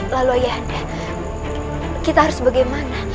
lalu ayah anda kita harus bagaimana